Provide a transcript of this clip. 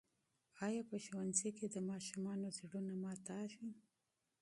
آیا په ښوونځي کې د ماشومانو زړونه ماتېږي؟